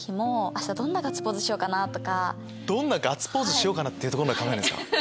どんなガッツポーズしようかなというところまで考えるんですか。